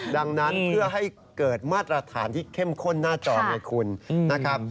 ดังนั้นเพื่อให้เกิดมาตรฐานที่เข้มข้นหน้าจอไงคุณนะครับ